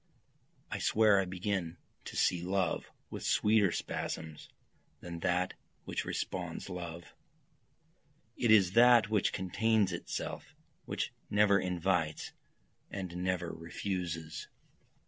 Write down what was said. I swear I begin to see love with sweeter spasms than that which responds love, It is that which contains itself, which never invites and never refuses.